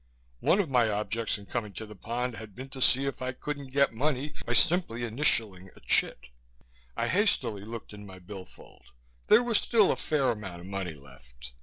One of my objects in coming to the Pond had been to see if I couldn't get money by simply initialing a chit. I hastily looked in my bill fold. There was still a fair amount of money left.